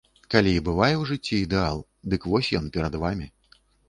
Калі і бывае ў жыцці ідэал, дык вось ён, перад вамі.